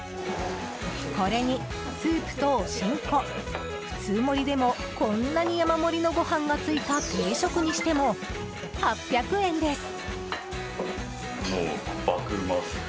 これにスープと、お新香普通盛りでも、こんなに山盛りのご飯がついた定食にしても８００円です。